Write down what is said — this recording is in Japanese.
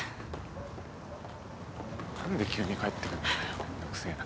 何で急に帰ってくんだよ？